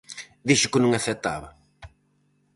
Dixo que non aceptaba.